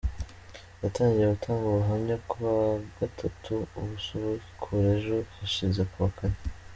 Yatangiye gutanga ubuhamya kuwa gatatu, abusubukura ejo hashize kuwa kane.